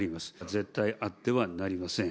絶対あってはなりません。